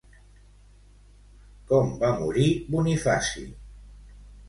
Com va morir Bonifaci?